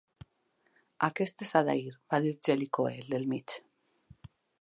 "Aquest és Adair," va dir Jellicoe, "el del mig."